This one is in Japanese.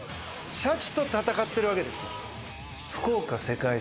シャチと戦ってるわけですよ。